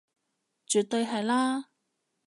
絕對係啦